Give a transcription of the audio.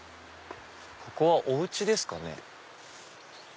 ここはお家ですかね。